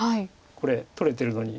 これ取れてるのに。